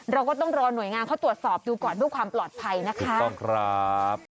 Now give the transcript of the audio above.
เราก็ต้องรอหน่วยงานเขาตรวจสอบดูก่อนเพื่อความปลอดภัยนะคะถูกต้องครับ